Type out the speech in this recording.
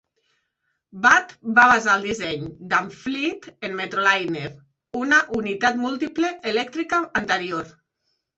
Budd va basar el disseny d'Amfleet en Metroliner, una unitat múltiple elèctrica anterior.